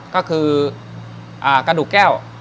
ก็คือกระดูกแก้ว